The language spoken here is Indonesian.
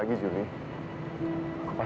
aku pasti akan datang lagi